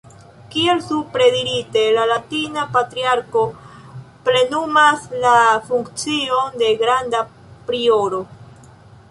Kiel supre dirite, la latina Patriarko plenumas la funkcion de Granda Prioro.